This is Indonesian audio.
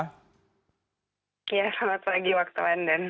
ya selamat pagi waktu london